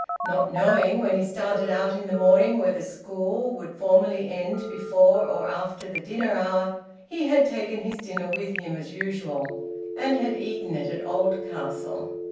Not knowing, when he started out in the morning, whether school would formally end before or after the dinner hour, he had taken his dinner with him, as usual, and had eaten it at Oldcastle.